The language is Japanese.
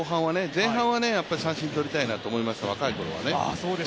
前半は三振取りたいなと思います、若いころは。